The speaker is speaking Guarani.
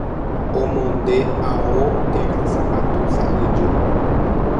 Omonde ao térã sapatu sa'yju